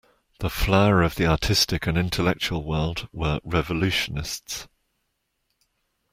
The flower of the artistic and intellectual world were revolutionists.